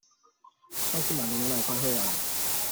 上次買的牛奶快喝完了